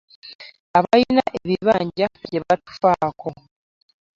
Abalina ebibanja ffe tebatufaako.